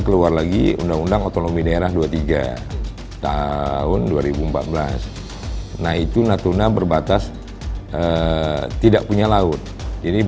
keluar lagi undang undang otonomi daerah dua puluh tiga tahun dua ribu empat belas nah itu natuna berbatas tidak punya laut jadi